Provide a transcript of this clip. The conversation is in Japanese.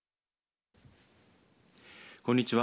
こんにちは。